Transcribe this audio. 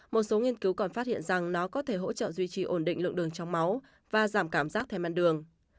một số nghiên cứu còn phát hiện rằng nó có thể hỗ trợ duy trì ổn định lượng đường trong máu và giảm cảm giác thêm men đường